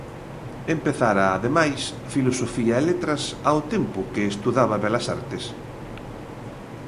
Empezara, ademais, Filosofía e Letras ao tempo que estudaba Belas Artes.